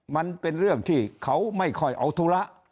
มันเป็นเรื่องที่เขาไม่ค่อยเอาธุระ